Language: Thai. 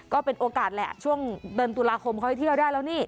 ก็เป็นโอกาสแหละช่วงเดือนตุลาคมเขาไปเที่ยวได้แล้วนี่